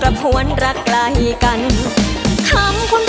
แชมป์สายนี้มันก็น่าจะไม่ไกลมือเราสักเท่าไหร่ค่ะ